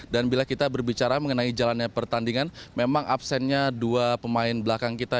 dan bila kita berbicara mengenai jalannya pertandingan memang absennya dua pemain belakang kita